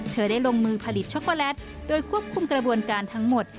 เธอได้ลงมือผลิตช็อกโกแลตโดยควบคุมกระบวนการทั้งหมด